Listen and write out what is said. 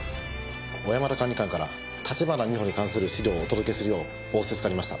小山田管理官から立花美穂に関する資料をお届けするよう仰せつかりました。